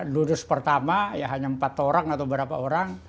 lulus pertama ya hanya empat orang atau beberapa orang